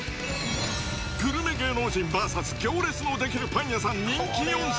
グルメ芸能人ＶＳ行列の出来るパン屋さん人気４品。